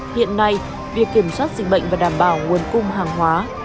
hiện nay việc kiểm soát dịch bệnh và đảm bảo nguồn cung hàng hóa